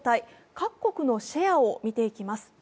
各国のシェアを見ていきます。